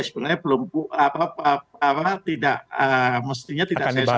sebenarnya belum apa apa tidak mestinya tidak saya sampaikan